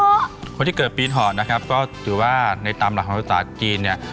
เพราะที่เกิดปีเทาะนะครับก็ถือว่าในตามหลักของศึกษาจีนเนี่ย